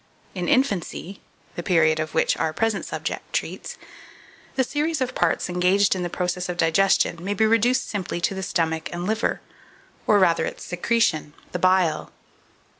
In infancy (the period of which our present subject treats), the series of parts engaged in the process of digestion may be reduced simply to the stomach and liver, or rather its secretion, the bile.